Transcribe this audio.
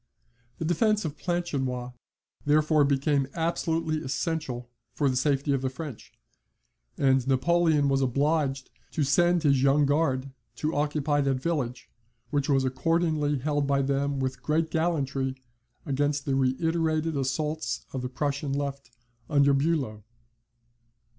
The defence of Planchenoit therefore became absolutely essential for the safety of the French, and Napoleon was obliged to send his Young Guard to occupy that village, which was accordingly held by them with great gallantry against the reiterated assaults of the Prussian left, under Bulow.